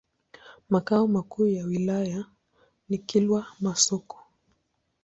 Makao makuu ya wilaya ni Kilwa Masoko.